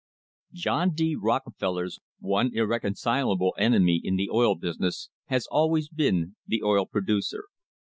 JOHN D. ROCKEFELLER'S one irreconcilable enemy in the oil business has always been the oil producer.